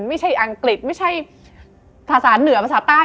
อังกฤษไม่ใช่ภาษาเหนือภาษาใต้